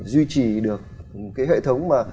duy trì được cái hệ thống mà